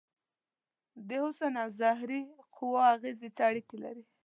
د حسن او زهرې د قوو اغیزې څه اړیکې لري؟